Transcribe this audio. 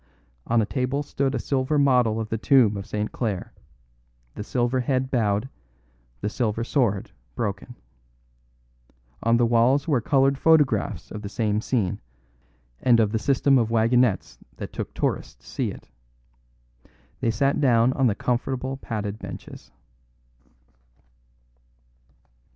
On a table stood a silver model of the tomb of St. Clare, the silver head bowed, the silver sword broken. On the walls were coloured photographs of the same scene, and of the system of wagonettes that took tourists to see it. They sat down on the comfortable padded benches.